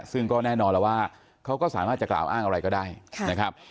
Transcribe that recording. ซึ่งก็แน่นอนแล้วว่าเขาก็สามารถจะกล่าวอ้างอะไรก็ได้นะครับ